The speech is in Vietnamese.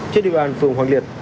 trên địa bàn phường hoàng liệt